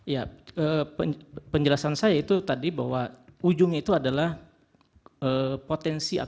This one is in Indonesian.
ya penjelasan saya itu tadi bahwa ujungnya itu adalah potensi